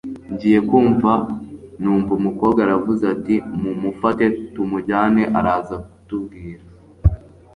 ngiye kumva numva umukobwa aravuze ati mumufate tumujyane araza kutubwira